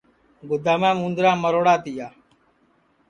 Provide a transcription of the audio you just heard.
گُدامام اُندرا مروڑا تیا